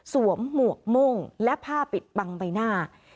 หมวกมุ่งและผ้าปิดบังใบหน้า